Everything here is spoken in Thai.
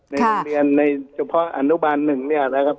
ในโรงเรียนโดยเฉพาะอันนุบาลหนึ่งเนี่ย